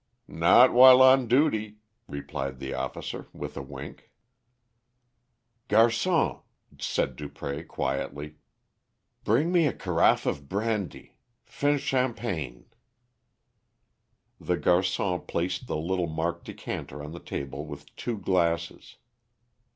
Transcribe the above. "Not while on duty," replied the officer with a wink. "Garçon," said Dupré quietly, "bring me a caraffe of brandy. Fin champagne." The garçon placed the little marked decanter on the table with two glasses.